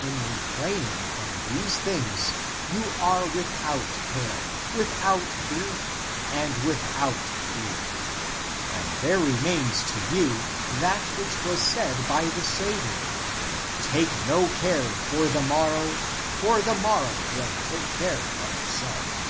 In re fraining from these things, you are without care, without grief, and without fear, and there remains to you that which was said by the Saviour: Take no care for the morrow, for the morrow will take care of itself.